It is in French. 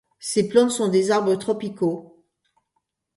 Ces plantes sont des arbres tropicaux.